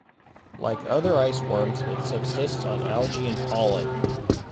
Like other ice worms, it subsists on algae and pollen.